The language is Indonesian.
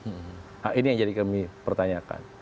nah ini yang jadi kami pertanyakan